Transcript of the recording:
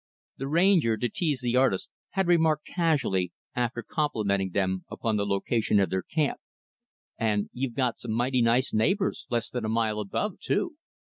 The Ranger, to tease the artist, had remarked casually, after complimenting them upon the location of their camp, "And you've got some mighty nice neighbors, less than a mile above too."